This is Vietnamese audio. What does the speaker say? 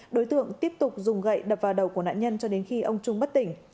đối tượng tiếp tục dùng gậy đập vào đầu của nạn nhân cho đến khi ông trung bất tỉnh